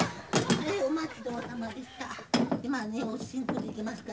お待ちどおさまでした。